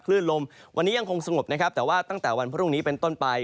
คลื่นลมวันนี้ยังคงสงบนะครับแต่ว่าตั้งแต่วันพรุ่งนี้เป็นต้นไป